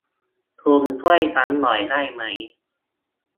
คุณช่วยฉันหน่อยได้ไหม ?